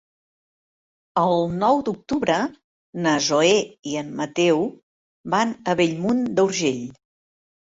El nou d'octubre na Zoè i en Mateu van a Bellmunt d'Urgell.